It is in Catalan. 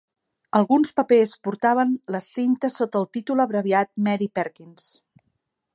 Alguns papers portaven la cinta sota el títol abreviat Mary Perkins.